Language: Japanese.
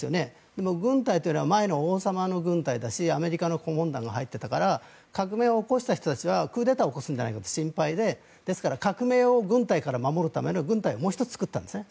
でも軍隊というのは前の王様の軍隊だしアメリカの顧問団が入っていたから革命を起こした人たちはクーデターを起こすんじゃないかと心配でですから革命を軍隊から守るためのもう１つの軍隊を作ったんですね。